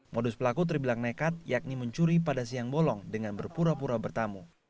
modus pelaku terbilang nekat yakni mencuri pada siang bolong dengan berpura pura bertamu